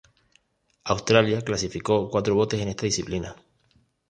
Australia clasificó cuatro botes en esta disciplina.